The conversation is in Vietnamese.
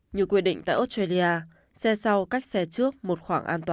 như quy định tại australia xe sau cách xe trước một khoảng an toàn